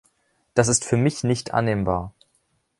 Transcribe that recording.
Das ist für mich nicht annehmbar.